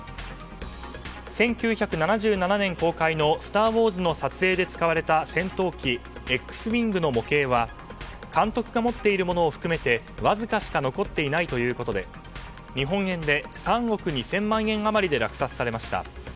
１９７７年公開の「スター・ウォーズ」の撮影で使われた戦闘機Ｘウィングの模型は監督が持っているものを含めてわずかしか残っていないということで日本円で３億２０００万円余りで落札されました。